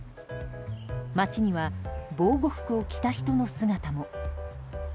街には防護服を着た人の姿も。